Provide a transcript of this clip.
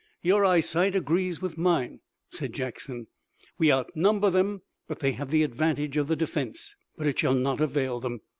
"Your eyesight agrees with mine," said Jackson. "We outnumber them, but they have the advantage of the defense. But it shall not avail them."